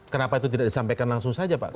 kenapa itu tidak disampaikan langsung saja pak